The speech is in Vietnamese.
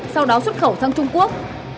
sau đó xuất khẩu sang trung quốc